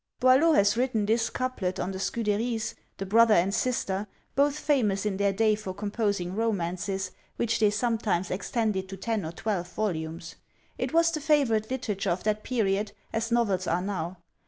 Boileau has written this couplet on the Scuderies, the brother and sister, both famous in their day for composing romances, which they sometimes extended to ten or twelve volumes. It was the favourite literature of that period, as novels are now.